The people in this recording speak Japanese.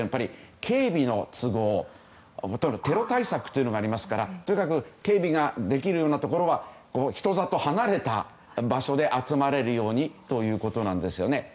警備の都合テロ対策というのがありますからとにかく警備ができるようなところは人里離れた場所で集まれるようにということなんですね。